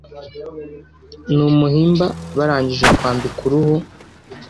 ni umuhimba barangije kwambika uruhu